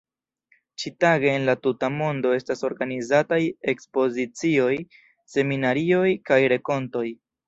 Ĉi-tage en la tuta mondo estas organizataj ekspozicioj, seminarioj kaj renkontoj.